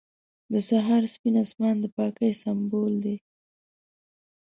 • د سهار سپین آسمان د پاکۍ سمبول دی.